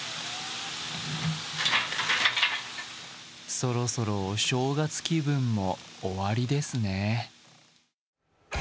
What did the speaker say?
そろそろお正月気分も終わりですね。